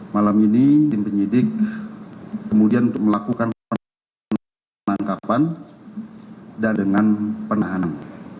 malam ini tim penyidik kemudian untuk melakukan penangkapan dan dengan penahanan